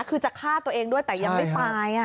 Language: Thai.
คือจะฆ่าตัวเองด้วยแต่ยังไม่ตาย